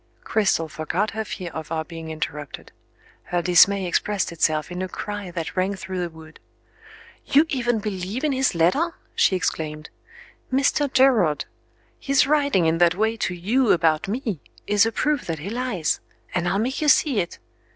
Cristel forgot her fear of our being interrupted. Her dismay expressed itself in a cry that rang through the wood. "You even believe in his letter?" she exclaimed. "Mr. Gerard! His writing in that way to You about Me is a proof that he lies; and I'll make you see it.